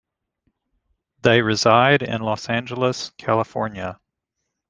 They reside in Los Angeles, California.